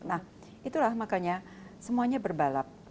nah itulah makanya semuanya berbalap